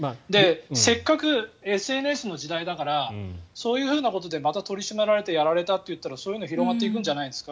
せっかく、ＳＮＳの時代だからそういうふうなことでまた取り締まられてやられたといったらそういうのが広がっていくんじゃないですか。